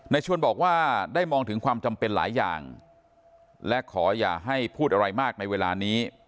ชวนบอกว่าได้มองถึงความจำเป็นหลายอย่างและขออย่าให้พูดอะไรมากในเวลานี้